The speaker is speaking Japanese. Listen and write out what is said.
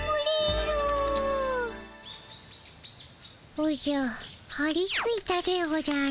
おじゃはりついたでおじゃる。